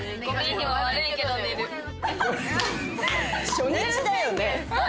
初日だよね。